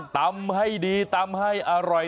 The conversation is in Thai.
ตำให้ดีตำให้อร่อย